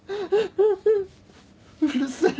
うるさい。